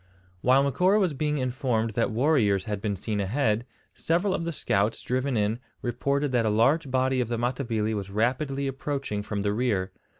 While Macora was being informed that warriors had been seen ahead, several of the scouts driven in reported that a large body of the Matabili was rapidly approaching from the rear.